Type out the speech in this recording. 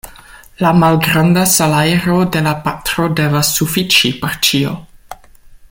La malgranda salajro de la patro devas sufiĉi por ĉio.